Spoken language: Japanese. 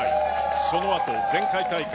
その後、前回大会